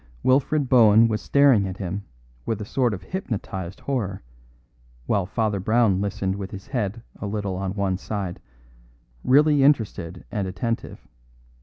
Wilfred Bohun was staring at him with a sort of hypnotised horror, while Father Brown listened with his head a little on one side, really interested and attentive.